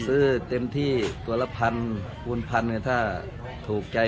ซื้อเต็มที่ตัวละพันปุ่นพันคือถ้าถูกใจ